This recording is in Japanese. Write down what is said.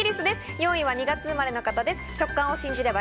４位は２月生まれの方です。